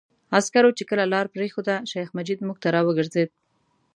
عسکرو چې کله لاره پرېښوده، شیخ مجید موږ ته را وګرځېد.